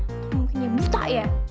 atau mungkin ya buta ya